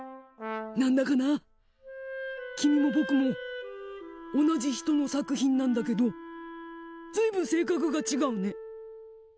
何だかなあ君も僕も同じ人の作品なんだけど随分性格が違うね。